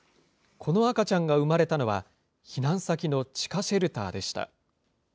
この赤ちゃんが産まれたのは、避難先の地下シェルターでした。